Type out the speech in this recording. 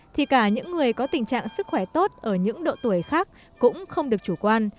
thì cả những người có tình trạng sức khỏe tốt ở những độ tuổi khác cũng không được chủ quan